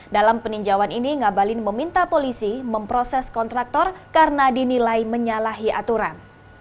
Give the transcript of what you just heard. dalam peninjauan ini ngabalin meminta polisi memproses kontraktor karena dinilai menyalahi aturan